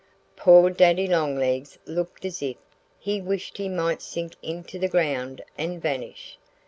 Poor Daddy Longlegs looked as if he wished he might sink into the ground and vanish.